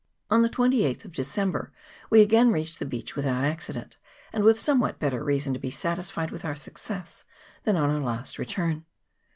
On the 28th of December we again reached the beach without accident, and with somewhat better reason to be satisfied with our success than on our last return.